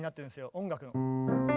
音楽の。